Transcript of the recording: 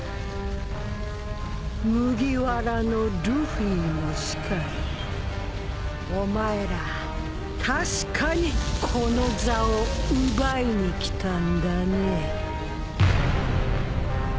麦わらのルフィもしかりお前ら確かにこの座を奪いに来たんだね。